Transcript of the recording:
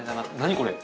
これ。